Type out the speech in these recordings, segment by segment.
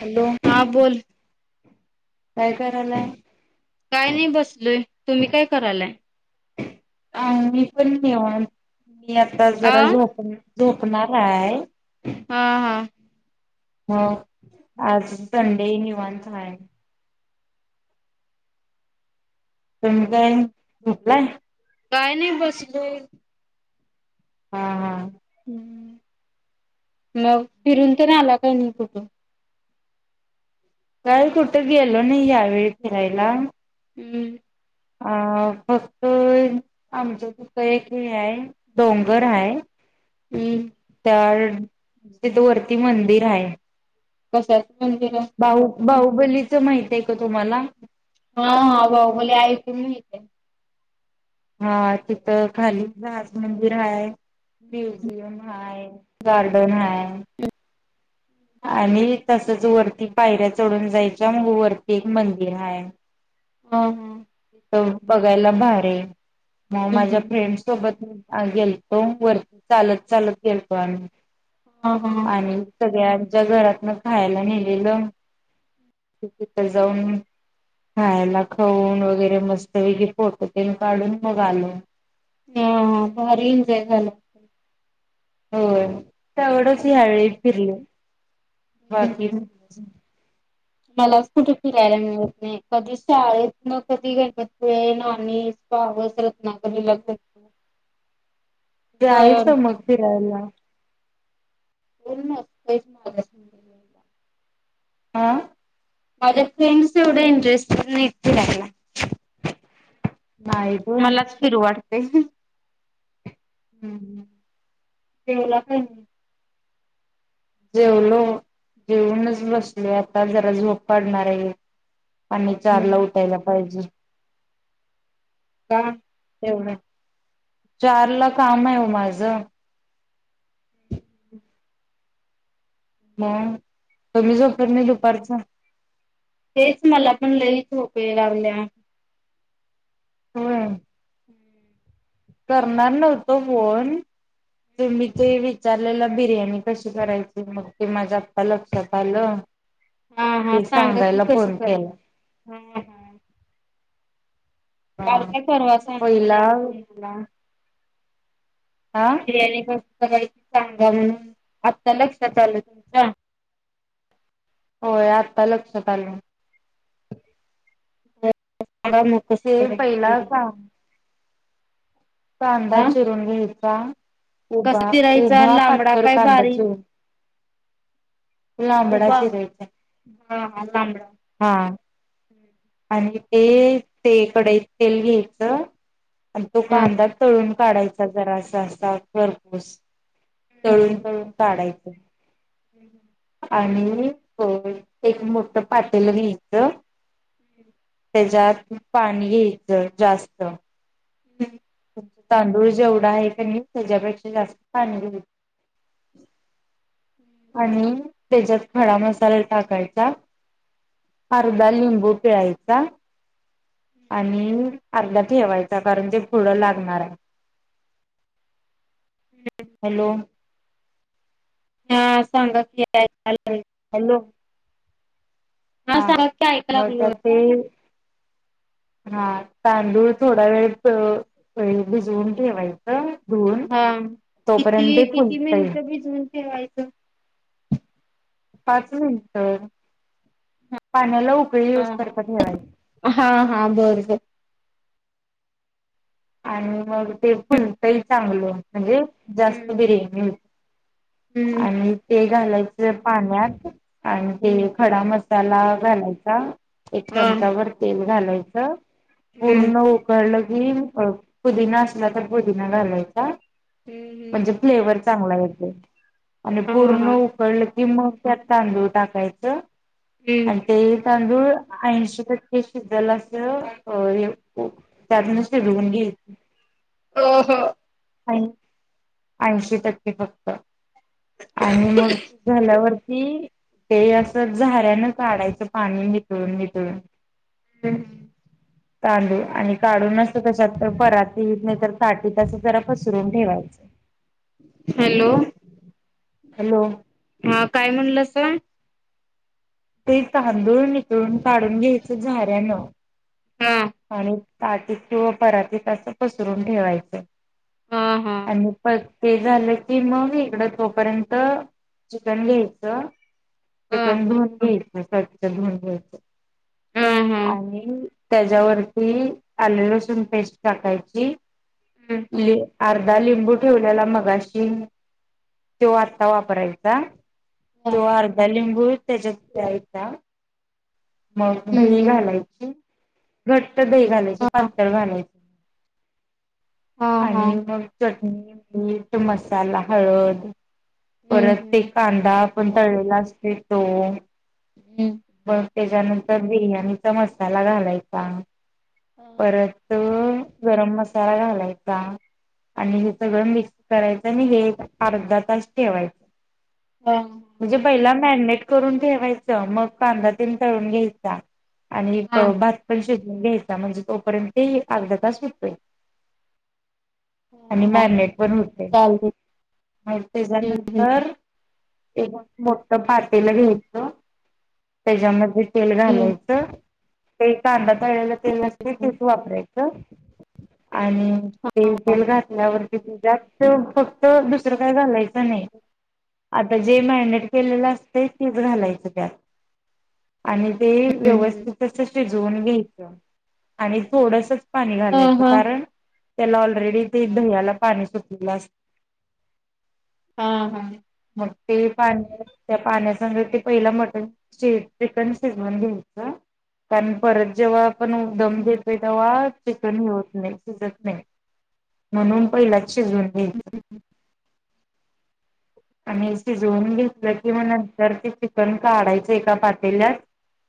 Hello हा बोल काय करायलाय? काय नाही बसलोय, तुम्ही काय करायलाय? अ मी पण निवांत मी आता आ जरा झोप झोपणार हाय. हा हा. हो आज संडे निवांत हाय. तुम्ही काय झोपलाय? काय नाय बसलोय. हा हा हूं मग फिरून तर नाय आला का कुठं काय कुठ गेलो नाय यावेेळी फिरायला. हूं अ फक्त आमच्या तिथं एक हे हाय डोंगर हाय हम्म तर तिथं वरती मंदिर हाय. कशाच मंदिर हाय? बाहू बाहुबलीचं माहित आहे का तुम्हाला हा हा बाहुबली ऐकून माहितीय. हा तिथं खाली दास मंदिर हाय म्युझियम हाय गार्डन हाय. आणि तसच वरती पायऱ्या चढून जायच्या मग वरती एक मंदिर हाय. [inaudible] हं हं - तिथं बघायला भारी हाय मग माझ्या हम्म फ्रेंड सोबत गेलतो वरती चालत चालत गेलतो आम्ही हा हा आणि सगळ्यांच्या घरातन खायला नेलेलं ते तिथ जाऊन खायला खाऊन वगैरे मस्त पैकी फोटो तेन काढून मग आलो. हा भारी एन्जॉय झालं. होय तेवढच ह्यावेळी फिरले. बाकी हम्म काय नाय अजून मलाच कुठ फिरायला मिळत नाय कधी शाळेतन कधी गणपती वेन आणि पावस रत्नागिरीला करतो. जायेच मग फिरायला. बोल ना तेच म हा माझ्या फ्रेंडस एवढ्या इंटरेस्टेड नाहीत फिरायला. नाही पोय मलाच फिरू वाटतय. हम्म जेवला काय म जेवलो जेवूनच बसलो आता जरा झोप काढणारये एक आणि म चारला हम्म उठायला पाहिजे. का? तेवढ चारला काम आहे ओ माझं म तुम्ही झोपत नाय दुपारच तेच मला पण लईच झोप याय लागल्या. होय. करणार नव्हतो फोन तुम्ही ते विचारलेलं बिर्याणी कशी करायची मग ते माझा आत्ता लक्षात आलं. हा हा ते सांगा की सांगायला कशी फोन केला करयाची हा हा काल हा काय परवा पहिला सांगितलेली तुम्ही मला हा बिर्याणी कसयची सांगा म्हणून आता लक्षात आलं तुमच्या होय आत्ता लक्षात आलून डा मग कशी ते करायची पहिला बिर्याणी कां कांदा हा चिरून घ्यायचा कसा उभा चिरायचा उभा लांबडा पतर काय कंद चु बारीक उभा लांबळाच रे हा हा लांबडा हा आणि ते ते कडाईत तेल घ्यायचं आणि तो हा कांदा तळून काढायचा जरा असा असा खरपोस हम्म तळून तळून काढायचा हम् हम आणि एक मोठ पटेल घ्यायचं त्याच्यात पाणी घ्यायचं जास्त हम्म तांदूळ जेवढा आहे प म त्याच्यापेक्षा जास्त तांदूळ आणि त्याच्यात खडा मसाला टाकायचा अर्धा लिंबू पिळायचा आणि अर्धा ठेवायचा कारण ते पुढं लागणार आहे हम्म हॅलो हा सांग कील हॅलो हा सांगा की ऐकायला म लागलो तर ते हा तांदूळ थोडा वेळ भिजवून ठेवाय हा किती ते किती फुलतय मिनिट भिजवून ठेवायचं पाच मिनटर पाण्याला उकळी यूज हा करत ठेवाय हा हा बरं बर आणि मग ते फुलटंही चांगलं म्हणजे जास्त हम्म बिर्याणी हम्म आणि ते घालायचं पाण्यात आणि हम्म ते खडा मस्त मसाला घालायचा एक हा चमचावर तेल घालायच हम्म पूर्ण उकळलं की पुदिना असला तर पुदिना घालायचा हम्म हम्म म्हणजे फ्लेवर चांगला येते आणि हा पूर्ण हा उकडलं की मग त्यात तांदूळ टाकायचं हम्म आणि ते तांदूळ ऐंशी टक्के शिजल अस त्यातूनिडवून घे हो ह ऐंशी टक्के फक्त आणि मग झाल्यावरती ते असं झाऱ्यान काढायचं पाणी नटून निटून हम् तांदूळ आणि काढून नसत तशत तर परात येत नाही तर सा तस जरा पसरून ठेवायचं हॅलो हॅलो हा काय म्हणलं अस ते तांदूळ नििकळून काढून घ्यायचं झाऱ्यानं हां. आणि तटत किंवा परातीत असं पसरून ठेवायचं. हा हा आणि प. ते झालं की मग इकडं तोपर्यंत चिकन घ्यायचं. हा चिकन धुऊन घ्यायचं स्वच्छ धुऊन घ्यायचं हम हम. आणि त्याच्यावरती आले लसूण पेस्ट टाकायची. हम्म ल [inaudible] अर्धा लिंबू ठेवलेला मगाशी तो आत्ता वापरायचा. तो अर्धा लिंबू तिच्यात पिळायचा. मग दही हम्म घालायची. घट्ट दही घालायचे हा पातळ घालायचे हा हा आणि मग. चटणी मीठ मसाला हळद हम्म परत ते हम्म कांदा. पण तळेला असते तो बर. त्याच्यानंतर बिर्याणीचा मसाला घालायचा हम्म परत. गरम मसाला घालायचा आणि हचा गम मिक्स. करायचं आणि हे अर्धा तास ठेवायचं. हा म्हणजे पहिला मॅरिनेट करून ठेवायचं मग कांदा तन तळून घ्यायचा. आणि हा हा भात पण शोधून घ्यायचा म्हणजे तोपर्यंत अर्धा तास होतोय. आणि हा मॅरिनेट पण होते चालते आणि त्याच्यानंतर. एक मोठ पातीला घ्यायच त्याच्यामध्ये तेल हम्म घालायचं. ते कांदा तळलेलं तेल असते हम्म तेच वापरायचं आणि. तेल तेल घातल्यावरती त जत फक्त दुसरं काय घालायचं नाही. आता जे मॅनेट केलेलं असत तेीच घालायचं त्यात. आणि ते हम्म हम्म. व्यवस्थित अस शिजवून घ्यायचं आणि थोडस. पाणी हा घालायचं हा कारण त्याला ऑलरेडी ते दह्याला पाणी सुटलेलं अस. हा हा. मग ते पाणी त्या पाण्यासग ते पहिला मटण श चिकन शिजव घ्याच कारण परत जेव्हा आपण दम हम्म घेत. तेव्हा चिकनत नाही शिजत नाही म्हणून पहि झ घ्याय आणि असे ज घ कि म नंतर ते चिकन काढायचंय का पातेलात.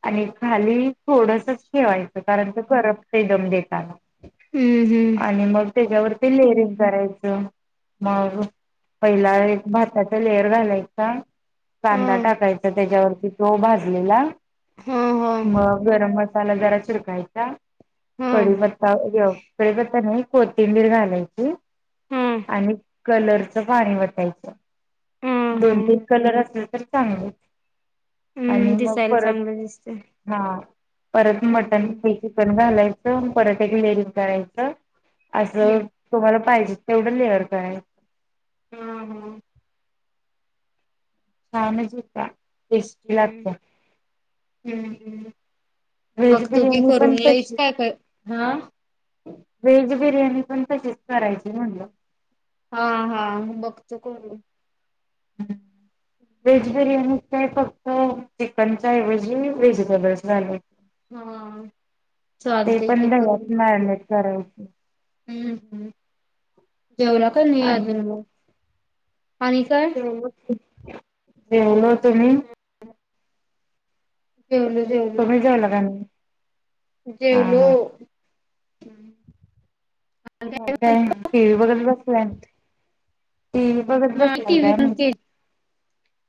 आणि खाली थोडसच ठेवायचं कारण ते करप ते दम देताना. हम्म हम्म आणि मग त्याच्यावरती लेरिंग करायचं. मग पहिला एक भाताचा लेयर घालायचा. हा कांदा टाकायचा त्याच्यावरती तो भाजलेला हा हा मग गरम मसा. मसालादरा चिरकायचा हा कढ पत्ता घ कपत्ता नाही कोथिंबीर घालायची हा आणि. कलरचं पाणी वाटायचं हा हा. दोन तीन कलर असले तर चांगले. आणि हम्म मग दिसायला परत चांगलं दिसत हा परत मटण हम्म प चिकन घालायचं पराठ्या गिलेरी करायचं असं. हम्म तुम्हाला पाहिजे तेवढं लेअर काय. हम हा. छानच हो का टेस्टी हम्म लागत. हम्म हम्म व्हेज बघतो कि बिर्याणी करून पण लईच तशी काय काय हा व्हेज बिर्याणी पण तशीच करायची म्हटलं. हा हा बघतो करून [inaudible] व्हेज बिर्याणी काय फक्त चिकनचा ऐवजी व्हेजिटेबलस घालाय हा ते चालते की पण करून दह्यात बघते मॅरीनेट करायची. हम्म हम्म जेवला का नाही अजून आणि मग आणि काय? [unintelligible] जेवलो तुम्ही जेवलो जेवलो तुम्ही जेवला का नाही. हा जेवलो हा मग काय टी व्ही बघत बसल्या टि व्ही नाही टि व्ही पण के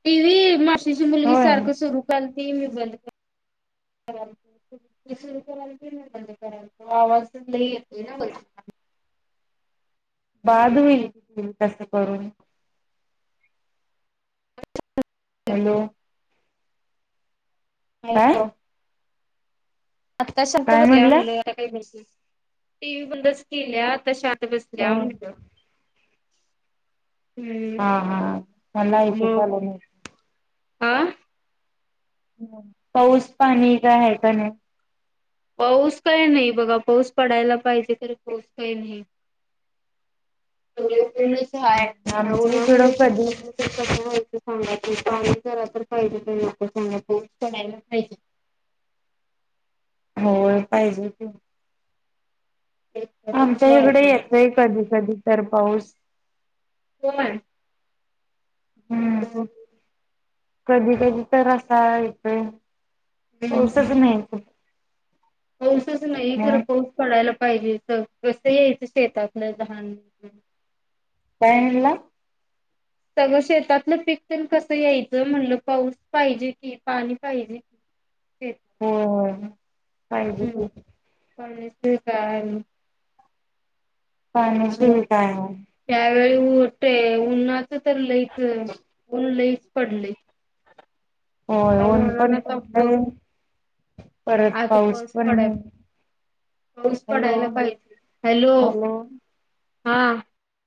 टीव्ही माशीची मुलगी होय सारख सुरू चलती मी बंद [unintelligible] [unintelligible] आवाज पण लय येतोय ना वर बाद हुईल ते तसं करून हॅलो काय हॅलो आता शांत काय बसल्या म्हटल म्हणलं [unintelligible] टी व्ही बंदच केलीया. आता बसलीया म्हंटल. हा हा मला ऐकूच मग आलं नाही. आ पाऊस पाणी काय हाय का नाही. पाऊस काही नाही बघा पाऊस पडायला पाहिजे तरी पाऊस काही नाही. [unintelligible] ह्या आमच्या इकडं उन्हामुळ कधी शेताच कस व्हायचं सांगा कि पाणी जरा तर पाहिजे का नको सांगा कि [unintelligible] होय पाहिजे कि आमच्या शेतकऱ्यांचं हिकड अवघड आहे. येतय कधी कधी तर पाऊस होय हम्म [unintelligible] कधी कधी तर असा येतोय हम्म. पाऊसच नाही इथं पाऊसच नाही खरं पाऊस पडायला पाहिजे इथं कस यायचं शेताकड घाण काय म्हणला सगळ शेतातलं पीक तेन कस यायचं म्हणलं पाऊस पाहिजे कि पाणी पाहिजे की शेत होय होय पाहिजे कि [unintelligible] पाण्याशिवाय काय ओ त्यावेळी उ ते उन्हाच तर लईच ऊन लईच पडलय. [unintelligible] होय ऊन पण आता पडलंय परत पाऊस पण पडाय नाही पाऊस हॅलो पडायला पाहि हॅलो हा